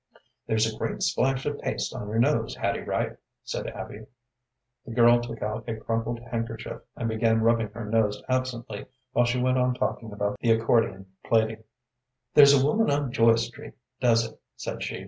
"There's a great splash of paste on your nose, Hattie Wright," said Abby. The girl took out a crumpled handkerchief and began rubbing her nose absently while she went on talking about the accordion plaiting. "There's a woman on Joy Street does it," said she.